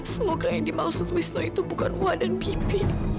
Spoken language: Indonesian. semoga yang dimaksud wisnu itu bukan wadah bibi